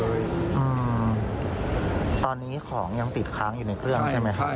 อืมตอนนี้ของยังติดค้างอยู่ในเครื่องใช่ไหมครับ